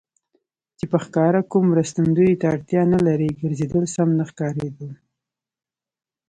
چې په ښکاره کوم مرستندویه ته اړتیا نه لري، ګرځېدل سم نه ښکارېدل.